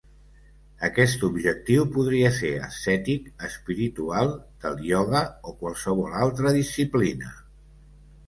Aquest objectiu podria ser ascètic, espiritual, del ioga o qualsevol altra disciplina.